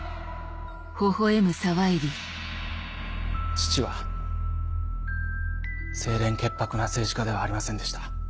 父は清廉潔白な政治家ではありませんでした。